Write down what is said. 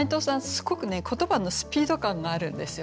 すっごくね言葉のスピード感があるんですよ